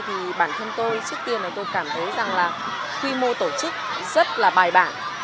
thì bản thân tôi trước tiên là tôi cảm thấy rằng là quy mô tổ chức rất là bài bản